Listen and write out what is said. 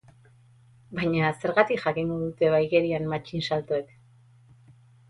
Baina, zergatik jakingo dute ba igerian, matxinsaltoek?